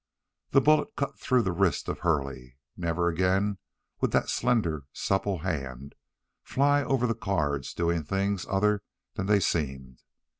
The bullet cut through the wrist of Hurley. Never again would that slender, supple hand fly over the cards, doing things other than they seemed.